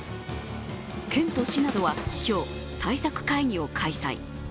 県と市などは今日、対策会議を開催。